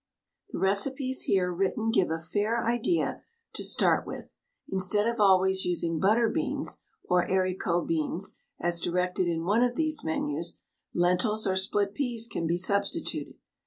The recipes here written give a fair idea to start with. Instead of always using butter beans, or haricot beans, as directed in one of these menus, lentils or split peas can be substituted.